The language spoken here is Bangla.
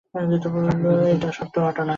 এটা সত্য ঘটনা।